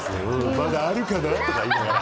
「まだあるかな？」とか言いながら。